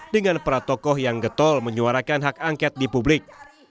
dengan para tokoh yang getol menyuarakan hak angket di publik